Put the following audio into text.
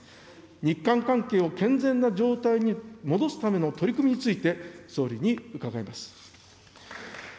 日韓関係を健全な状態に戻すための取り組みについて、総理に伺います。